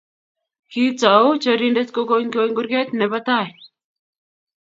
kiitou chorindet ku konykony kurget nebo tai